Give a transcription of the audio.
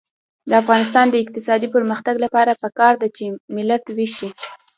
د افغانستان د اقتصادي پرمختګ لپاره پکار ده چې ملت ویښ شي.